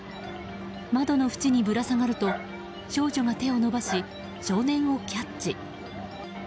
窓の縁にぶら下がると少女が手を伸ばし少年をキャッチ。